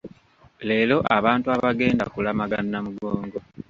Leero abantu abagenda kulamaga Namugongo.